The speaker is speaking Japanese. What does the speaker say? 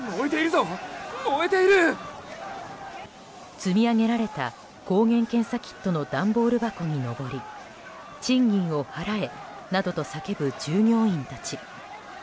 積み上げられた抗原検査キットの段ボール箱に上り賃金を払えなどと叫ぶ従業員たち。